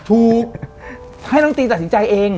ถูกให้นักดนตรีตัดสินใจเอง